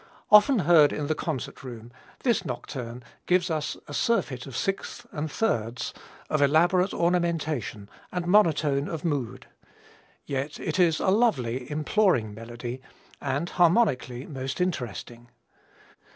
Often heard in the concert room, this nocturne gives us a surfeit of sixths and thirds of elaborate ornamentation and monotone of mood. Yet it is a lovely, imploring melody, and harmonically most interesting.